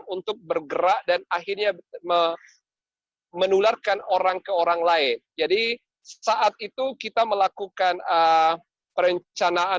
untuk bergerak dan akhirnya menularkan orang ke orang lain jadi saat itu kita melakukan perencanaan